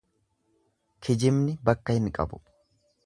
Kijibni bakka hin qabu.